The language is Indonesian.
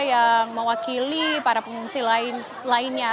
yang mewakili para pengungsi lainnya